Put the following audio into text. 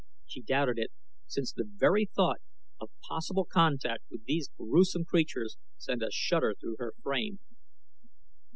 She doubted it, since the very thought of possible contact with these grewsome creatures sent a shudder through her frame.